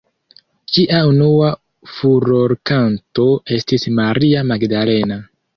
Ŝia unua furorkanto estis "Maria Magdalena".